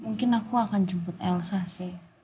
mungkin aku akan jemput elsa